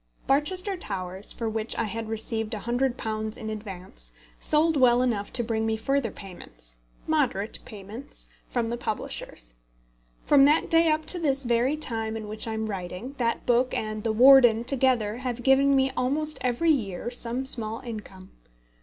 Barchester Towers, for which I had received £100 in advance, sold well enough to bring me further payments moderate payments from the publishers. From that day up to this very time in which I am writing, that book and The Warden together have given me almost every year some small income.